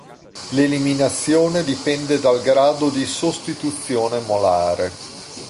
L'eliminazione dipende dal grado di sostituzione molare.